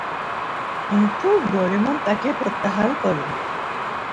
কিন্তু ডোরেমন তাকে প্রত্যাহার করে।